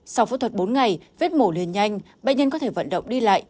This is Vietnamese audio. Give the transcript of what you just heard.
sau phẫu thuật bốn ngày vết mổ liền nhanh bệnh nhân có thể vận động đi lại